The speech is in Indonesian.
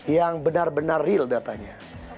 yang benar benar real datanya